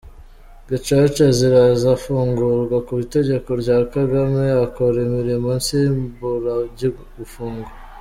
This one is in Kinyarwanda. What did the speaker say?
Gacaca ziraza afungurwa ku itegeko rya Kagame akora imirimo nsimburagifungo.